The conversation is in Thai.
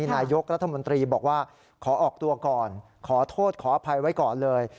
นายกรัฐมนตรีบอกว่าขอออกตัวก่อนขอโทษขออภัยไว้ก่อนเลย